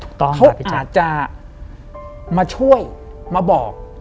เขาอาจจะมาช่วยมาบอก